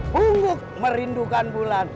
bungguk merindukan bulan